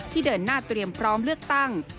เดินหน้าเตรียมพร้อมเลือกตั้ง